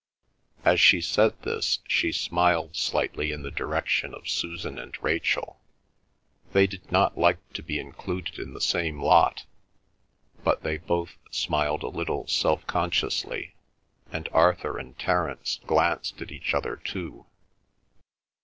As she said this she smiled slightly in the direction of Susan and Rachel. They did not like to be included in the same lot, but they both smiled a little self consciously, and Arthur and Terence glanced at each other too.